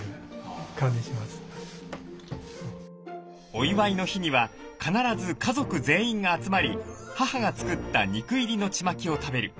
お祝いの日には必ず家族全員が集まり母が作った肉入りのチマキを食べる。